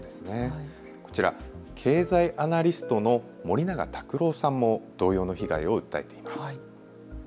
こちら経済アナリストの森永卓郎さんも同様の被害を訴えています。